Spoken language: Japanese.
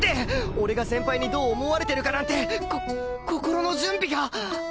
俺が先輩にどう思われてるかなんてこ心の準備が！